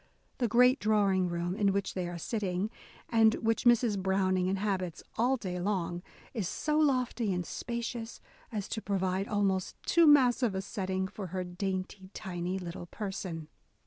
The great drawing room in which they are sitting, and which Mrs. Browning inhabits all day long, is so lofty and spacious as to provide almost too massive a setting for her dainty, tiny little person.